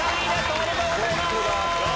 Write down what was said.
おめでとうございます！